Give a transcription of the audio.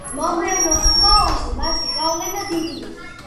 მომდევნო ხმოვნებზე მათი გავლენა დიდია.